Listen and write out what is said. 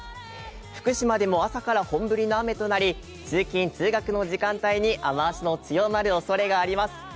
福島でも朝から本降りの雨となり通勤・通学の時間帯に雨足の強まるおそれがあります。